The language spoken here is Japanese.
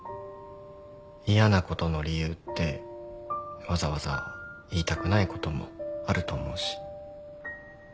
嫌なことの理由ってわざわざ言いたくないこともあると思うし。